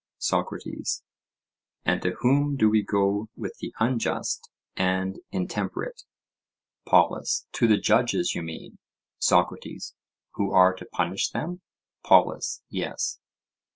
SOCRATES: And to whom do we go with the unjust and intemperate? POLUS: To the judges, you mean. SOCRATES: —Who are to punish them? POLUS: Yes.